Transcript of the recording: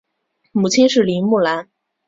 母亲是林慕兰。